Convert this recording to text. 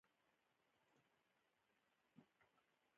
پسه د افغانستان د طبیعي زیرمو یوه برخه ده.